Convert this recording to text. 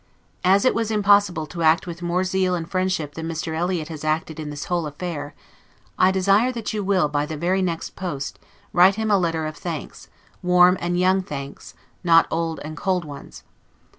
As it was impossible to act with more zeal and friendship than Mr. Eliot has acted in this whole affair, I desire that you will, by the very next post, write him a letter of thanks, warm and young thanks, not old and cold ones.